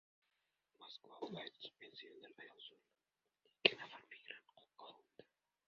Moskva viloyatida pensioner ayol zo‘rlab, o‘ldirildi: ikki nafar migrant qo‘lga olindi